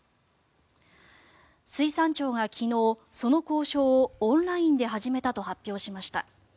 水産庁が昨日、その交渉をオンラインで始めたと発表しました。